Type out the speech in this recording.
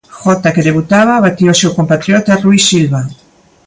Jota, que debutaba, batía o seu compatriota Rui Silva.